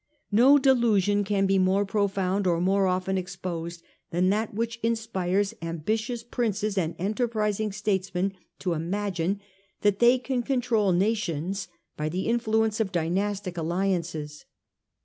No delusion can be more profound or more often exposed than that which inspires ambitious princes and enterprising statesmen to imagine that they can control nations by the influ ence of dynastic alliances.